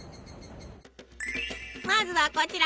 まずはこちら！